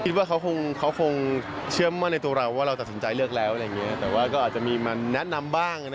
คิดว่าเขาคงเชื่อมั่วในตัวเรา